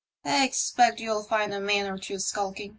*' I expect you'll find a man or two skulking.